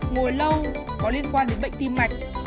ngồi lâu có liên quan đến bệnh tim mạnh